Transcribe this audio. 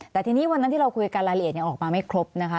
แต่ทีนี้วันนั้นที่เราคุยกันรายละเอียดออกมาไม่ครบนะคะ